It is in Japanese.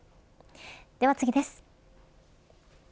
では次です。